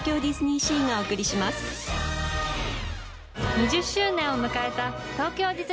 ２０周年を迎えた。